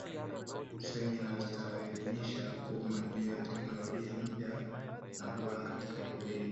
semina zitaelimisha umma juu ya teknolojia mpya na bora katika kilimo